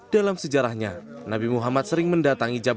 dalam sejarahnya nabi muhammad sering mendatangi jabal nur